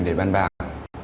để bàn bạc